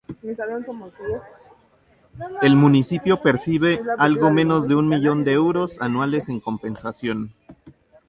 El municipio percibe algo menos de un millón de euros anuales en compensación.